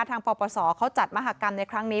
ปปศเขาจัดมหากรรมในครั้งนี้